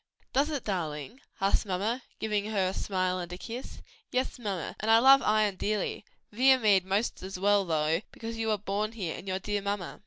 "Does it, darling?" asked mamma, giving her a smile and a kiss. "Yes, mamma; and I love Ion dearly: Viamede 'most as well, though, because you were born here, and your dear mamma."